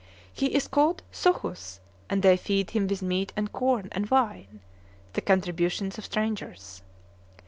He is called Suchus, and they feed him with meat and corn and wine, the contributions of strangers.